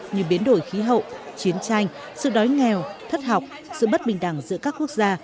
như biến đổi khí hậu chiến tranh sự đói nghèo thất học sự bất bình đẳng giữa các quốc gia